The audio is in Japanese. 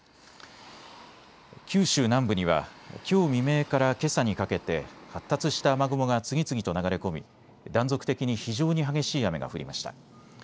九州南部にはきょう未明からけさにかけて発達した雨雲が次々と流れ込み、断続的に非常に激しい雨が降りました。